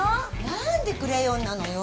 何でクレヨンなのよ？